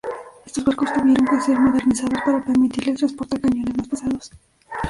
Estos barcos tuvieron que ser modernizados para permitirles transportar cañones más pesados.